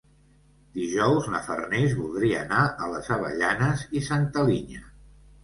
Dijous na Farners voldria anar a les Avellanes i Santa Linya.